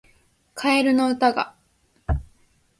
カエルの歌が